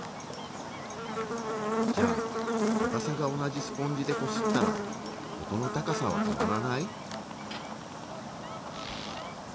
じゃあかたさが同じスポンジでこすったら音の高さは変わらない？